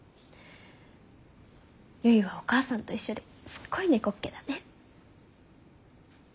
「結はお母さんと一緒ですっごい猫っ毛だね。